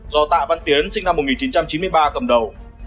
do tạ văn tiến sinh năm một nghìn chín trăm chín mươi ba cầm đầu